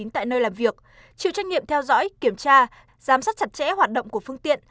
tại nơi làm việc chịu trách nhiệm theo dõi kiểm tra giám sát chặt chẽ hoạt động của phương tiện